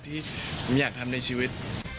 ที่ผมอยากทำในชีวิต